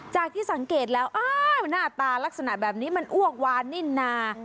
ที่สังเกตแล้วอ้าวหน้าตาลักษณะแบบนี้มันอ้วกวานนิ่นนา